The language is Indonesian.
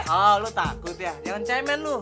tuh lo takut ya jangan cemen lo